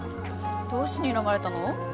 どうしてにらまれたの？